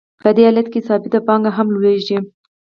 په دې حالت کې ثابته پانګه هم لوړېږي